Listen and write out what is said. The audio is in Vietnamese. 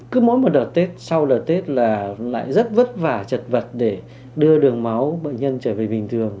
cứ mỗi một đợt tết sau đợt tết là lại rất vất vả trật vật để đưa đường máu bệnh nhân trở về bình thường